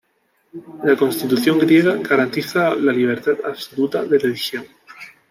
La Constitución griega garantiza la libertad absoluta de religión.